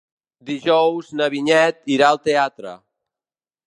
Dijous na Vinyet irà al teatre.